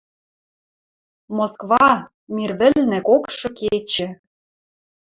Москва — мир вӹлнӹ кокшы кечӹ.